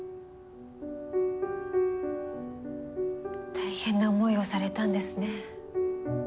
大変な思いをされたんですね。